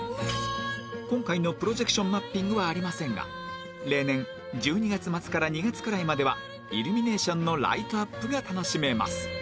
今回のプロジェクションマッピングはありませんが例年１２月末から２月くらいまではイルミネーションのライトアップが楽しめます